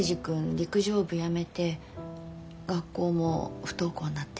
陸上部やめて学校も不登校になってって。